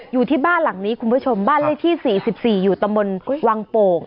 อยู่ที่บ้านหลังนี้คุณผู้ชมบ้านเลขที่๔๔อยู่ตำบลวังโป่ง